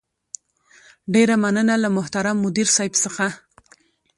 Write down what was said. ډېره مننه له محترم مدير صيب څخه